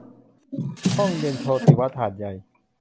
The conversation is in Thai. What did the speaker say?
ห้องเย็นโชติวัฒน์หาดใหญ่